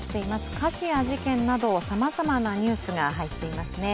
火事や事件などさまざまなニュースが入っていますね。